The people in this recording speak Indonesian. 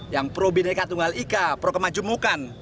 yang pro bdk tunggal ika pro kemajumukan